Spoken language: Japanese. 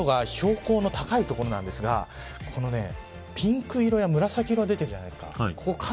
ほとんどが標高の高い所なんですがこのピンク色や紫色が出てるじゃないですか。